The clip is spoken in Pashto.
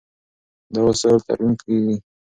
دا وسایل ترمیم کېږي.